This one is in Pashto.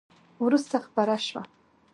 وروسته خپره شوه !